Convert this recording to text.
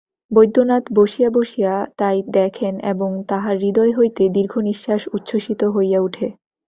বৈদ্যনাথ বসিয়া বসিয়া তাই দেখেন এবং তাঁহার হৃদয় হইতে দীর্ঘনিশ্বাস উচ্ছসিত হইয়া উঠে।